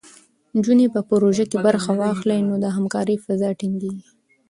نجونې په پروژو کې برخه واخلي، نو د همکارۍ فضا ټینګېږي.